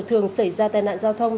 thường xảy ra tai nạn giao thông